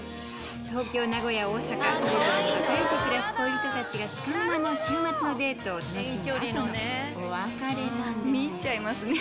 東京、名古屋、大阪、それぞれにわかれて暮らす恋人たちがつかの間の週末のデートを楽しんだあとのお別れ。